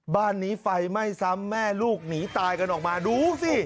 บ้านนี้ไฟไหม้ซ้ำแม่ลูกหนีตายกันออกมาดูสิ